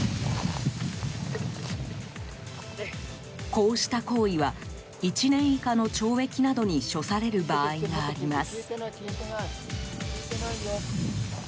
こうした行為は１年以下の懲役などに処される場合があります。